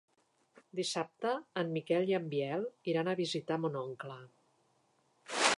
Dissabte en Miquel i en Biel iran a visitar mon oncle.